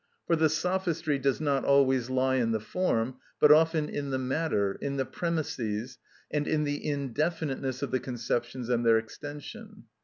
For the sophistry does not always lie in the form, but often in the matter, in the premisses, and in the indefiniteness of the conceptions and their extension.